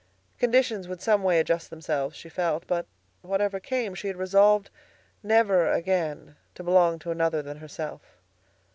Conditions would some way adjust themselves, she felt; but whatever came, she had resolved never again to belong to another than herself.